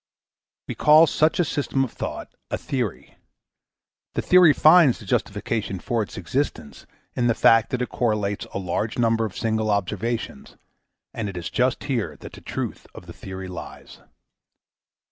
We call such a system of thought a theory. The theory finds the justification for its existence in the fact that it correlates a large number of single observations, and it is just here that the " truth " of the theory lies.